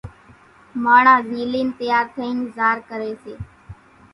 ماڻۿان زيلين تيار ٿئين زار ڪري سي،